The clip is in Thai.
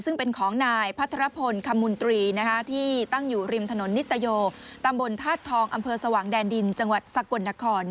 ซึ่งเป็นของนายพัทรพลคมุนตรีที่ตั้งอยู่ริมถนนนิตโยตำบลธาตุทองอำเภอสว่างแดนดินจังหวัดสกลนคร